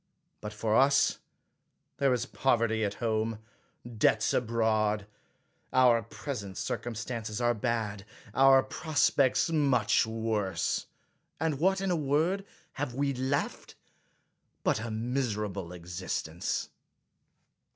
But for us there is pov erty at home, debts abroad ; our present circum stances are bad, our prospects much worse ; and what, in a word, have we left, but a miserable existence